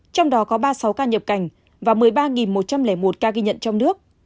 trong đó có ba mươi sáu ca nhập cảnh và một mươi ba một trăm linh một ca ghi nhận trong nước